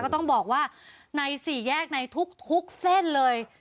ต้องบอกว่าในสี่แยกในทุกเส้นเลย